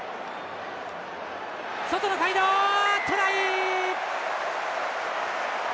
外のサイド、トライ！